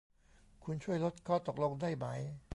คุณช่วยลดข้อตกลงได้ไหม ?